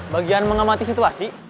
bagian mengamati situasi